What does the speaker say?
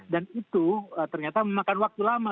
itu ternyata memakan waktu lama